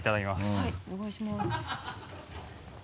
はいお願いします。